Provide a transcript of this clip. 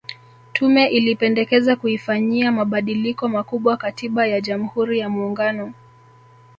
Tume ilipendekeza kuifanyia mabadiliko makubwa katiba ya Jamhuri ya Muungano